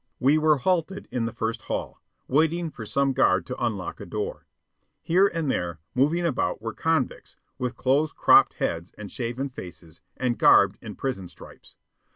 We were halted in the first hall, waiting for some guard to unlock a door. Here and there, moving about, were convicts, with close cropped heads and shaven faces, and garbed in prison stripes.